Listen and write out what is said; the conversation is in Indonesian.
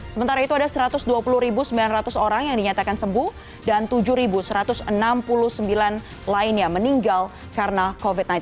sementara itu ada satu ratus dua puluh sembilan ratus orang yang dinyatakan sembuh dan tujuh satu ratus enam puluh sembilan lainnya meninggal karena covid sembilan belas